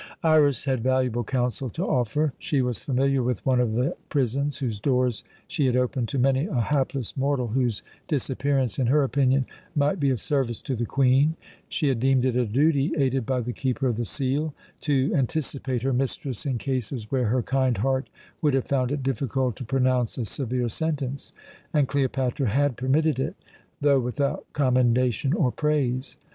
Iras had valuable counsel to offer. She was familiar with one of the prisons, whose doors she had opened to many a hapless mortal whose disappearance, in her opinion, might be of service to the Queen. She had deemed it a duty, aided by the Keeper of the Seal, to anticipate her mistress in cases where her kind heart would have found it difficult to pronounce a severe sentence, and Cleopatra had permitted it, though without commendation or praise.